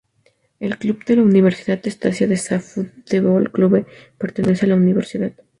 El club de fútbol Universidade Estácio de Sá Futebol Clube pertenece a la universidad.